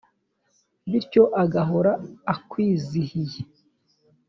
bityo agahora akwizihiye